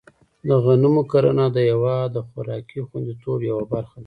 د غنمو کرنه د هېواد د خوراکي خوندیتوب یوه برخه ده.